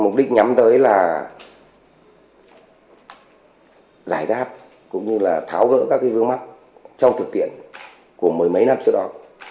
mục đích nhắm tới là giải đáp cũng như là tháo gỡ các cái vương mắc trong thực tiện của mười mấy năm trước đó